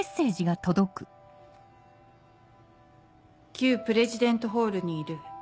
「旧プレジデントホールにいる。